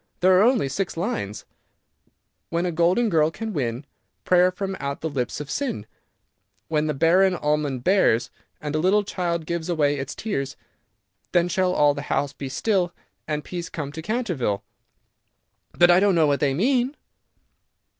There are only six lines: "'When a golden girl can win Prayer from out the lips of sin, When the barren almond bears, And a little child gives away its tears, Then shall all the house be still And peace come to Canterville.' "But I don't know what they mean."